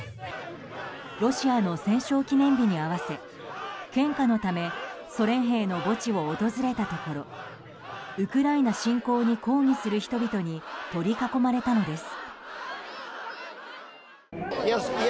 ロシアの戦勝記念日に合わせ献花のためソ連兵の墓地を訪れたところウクライナ侵攻に抗議する人々に取り囲まれたのです。